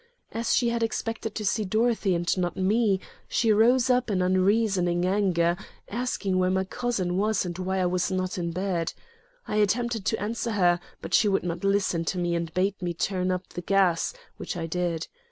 As she had expected to see Dorothy and not me, she rose up in unreasoning anger, asking where my cousin was and why I was not in bed. I attempted to answer her, but she would not listen to me and bade me turn up the gas, which I did.